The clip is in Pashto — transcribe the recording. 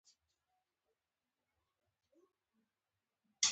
کلی داسې ځای وو چې په مرکز کلات پورې تعلق یې نه درلود.